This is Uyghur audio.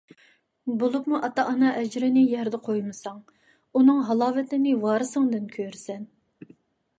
بولۇپمۇ ئاتا-ئانا ئەجرىنى يەردە قويمىساڭ، ئۇنىڭ ھالاۋىتىنى ۋارىسىڭدىن كۆرىسەن.